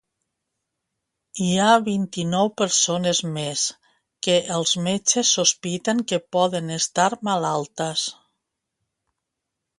Hi ha vint-i-nou persones més que els metges sospiten que poden estar malaltes.